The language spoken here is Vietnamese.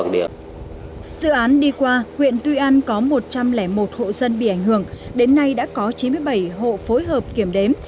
dự án đi qua huyện tuy an có một trăm linh một hộ dân bị ảnh hưởng đến nay đã có chín mươi bảy hộ phối hợp kiểm đếm